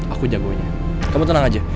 aku jagonya kamu tenang aja